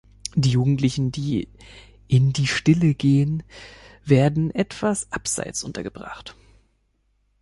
Die Jugendlichen, die „in die Stille gehen“, werden etwas abseits untergebracht.